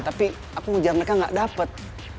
tapi aku ngejar mereka nggak dapat